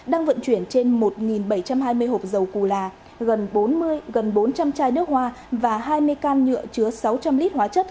đang vận chuyển trên một bảy trăm hai mươi hộp dầu củ là gần bốn mươi gần bốn trăm linh chai nước hoa và hai mươi can nhựa chứa sáu trăm linh lít hóa chất